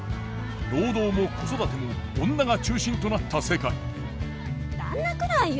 労働も子育ても女が中心となった世界旦那くらいよ。